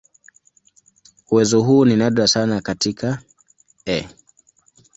Uwezo huu ni nadra sana katika "E.